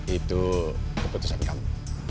itu keputusan kamu